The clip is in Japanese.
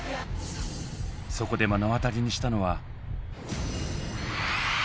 そこで目の当たりにしたのは。